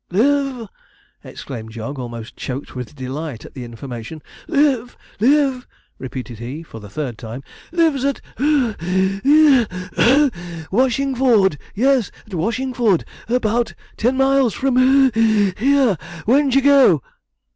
'Live!' exclaimed Jog, almost choked with delight at the information; 'live! live!' repeated he, for the third time; 'lives at (puff, wheeze, gasp, cough) Washingforde yes, at Washingforde; 'bout ten miles from (puff, wheeze) here. When d'ye go?'